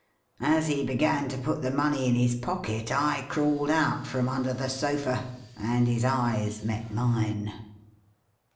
As he began to put the money in his pocket, I crawled out from under the sofa, and his eyes met mine.